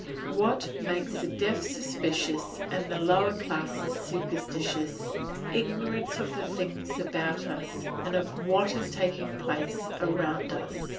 What makes the deaf suspicious and the lower classes superstitious? Ignorance of the things about us, and of what is taking place around us.